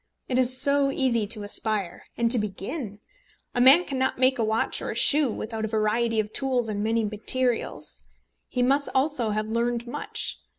It is so easy to aspire, and to begin! A man cannot make a watch or a shoe without a variety of tools and many materials. He must also have learned much.